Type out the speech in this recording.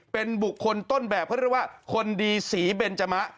เป็นบุคคลต้นแบบเขาเรียกว่าคนดีสีเบนจมะ